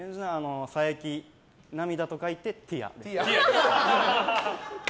「佐伯涙」と書いて「ティア」。